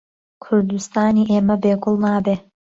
کوردستانی ئێمە بێ گوڵ نابێ